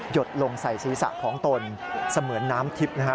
ดลงใส่ศีรษะของตนเสมือนน้ำทิพย์นะฮะ